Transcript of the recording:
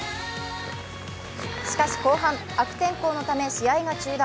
しかし後半、悪天候のため試合が中断。